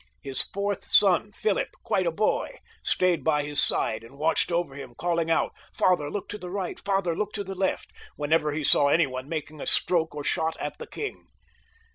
His fourth tson, Philip, quite a boy, stayed by his side and watched over him, calling out, " Father, look to the right : Father, look to the left," whenever he saw any one making a stroke or shot at the king.